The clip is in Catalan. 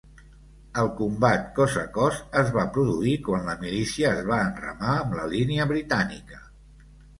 El combat cos a cos es va produir quan la milícia es va enramar amb la línia britànica.